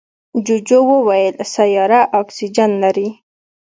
جوجو وویل سیاره اکسیجن لري.